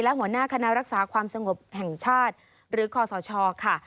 และหัวหน้าคณะรักษาความสงบแห่งชาติหรือคศค่ะ